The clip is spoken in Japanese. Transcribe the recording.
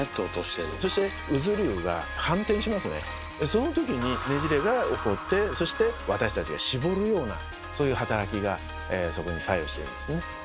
その時にねじれが起こってそして私たちがしぼるようなそういう働きがそこに作用してるんですね。